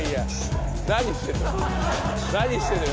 何してんの？